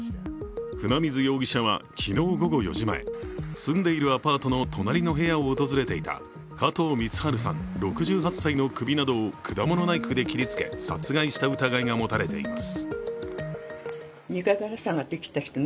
船水容疑者は昨日午後４時前、住んでいるアパートの隣の部屋を訪れていた加藤光晴さん６８歳の首などを果物ナイフで切りつけ殺害した疑いが持たれています。